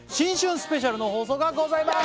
スペシャルの放送がございます